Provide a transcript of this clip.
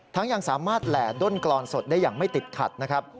ยังสามารถแหล่ด้นกรอนสดได้อย่างไม่ติดขัดนะครับ